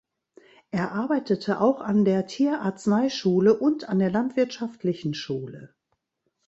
Er arbeitete auch an der Tierarzneischule und an der Landwirtschaftlichen Schule.